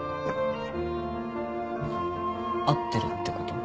会ってるってこと？